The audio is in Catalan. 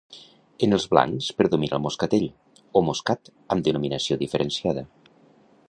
En els blancs predomina el moscatell, o moscat, amb denominació diferenciada.